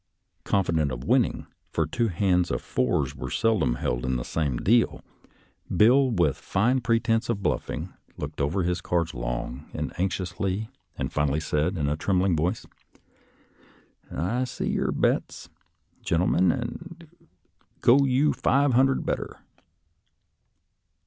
Confident of winning — for two hands of fours are seldom held in the same deal — Bill, with a fine pretense of bluffing, looked over his cards long and anxiously and finally said, in a trembling voice, " I see your bets, gen tlemen, and go you five hundred better."